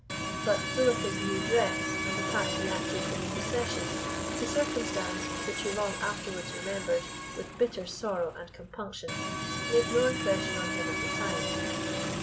But, full of his new dress and the part he acted in the procession, the circumstance, which he long afterwards remembered with bitter sorrow and compunction, made no impression on him at the time.